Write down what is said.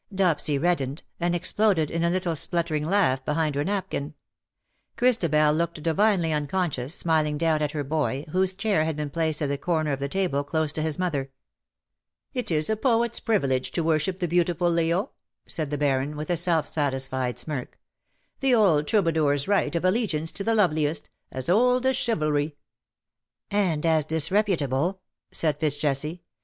Dopsy reddened, and exploded in a little spluttering laugh behind her napkin. Christabel looked divinely un conscious, smiling down at her boy, whose chair had been placed at the corner of the table close to his mother. " It is a poet^s privilege to worship the beautiful, Leo,^^ said the Baron, with a self satisfied smirk. " The old troubadour^s right of allegiance to the loveliest — as old as chivalry." '' And as disreputable," said FitzJesse.